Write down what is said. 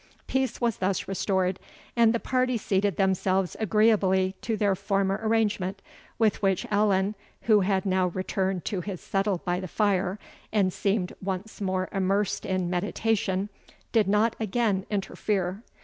'"] Peace was thus restored, and the party seated themselves agreeably to their former arrangement, with which Allan, who had now returned to his settle by the fire, and seemed once more immersed in meditation, did not again interfere.